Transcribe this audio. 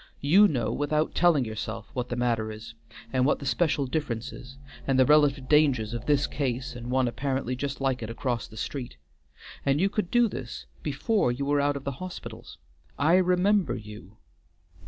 You know without telling yourself what the matter is, and what the special difference is, and the relative dangers of this case and one apparently just like it across the street, and you could do this before you were out of the hospitals. I remember you!"